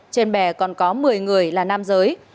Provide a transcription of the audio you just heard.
trên bè còn có một mươi người là nam giới